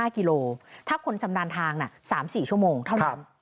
กิโลถ้าคนชำนาญทาง๓๔ชั่วโมงเท่านั้น